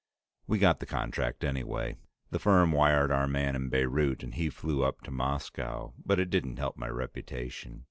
We got the contract anyway; the firm wired our man in Beirut and he flew up to Moscow, but it didn't help my reputation.